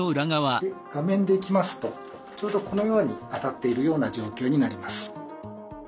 画面でいきますとちょうどこのように当たっているような状況になります。